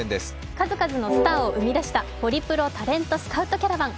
数々のスターを生み出したホリプロタレントスカウトキャラバン。